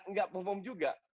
tidak perform juga